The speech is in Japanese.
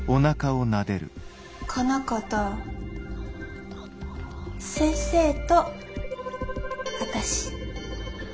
この子と先生とあたし。